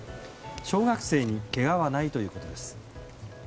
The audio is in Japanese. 小学生にけがはないということです。